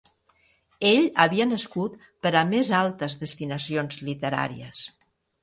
Ell havia nascut per a més altes destinacions literàries.